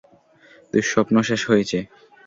দুঃস্বপ্ন শেষ হয়েছে!